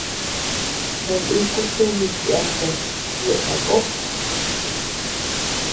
Kaniku tumi cheatea ñeʼe takó.